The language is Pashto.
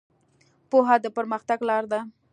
پوهه د پرمختګ لاره ده.